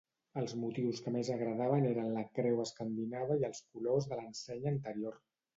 Els motius que més agradaven eren la creu escandinava i els colors de l'ensenya anterior.